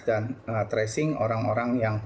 dan tracing orang orang yang